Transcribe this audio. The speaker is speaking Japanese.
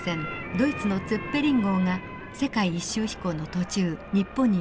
ドイツのツェッペリン号が世界一周飛行の途中日本にやって来ました。